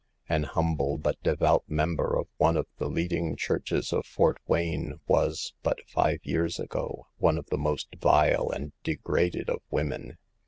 An humble but devout member of one of the leading churches of Fort Wayne was, but five years ago, one of the most vile and de graded of women.